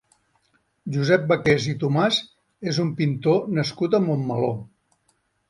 Josep Baqués i Tomàs és un pintor nascut a Montmeló.